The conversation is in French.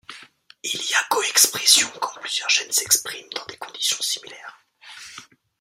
Il y a co-expression quand plusieurs gènes s'expriment dans des conditions similaires.